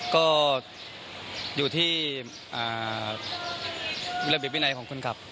ก็อยู่ที่ระบบวินัยของคุณกลับ